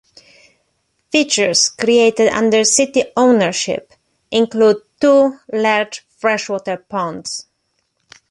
Features created under city ownership include two large freshwater ponds.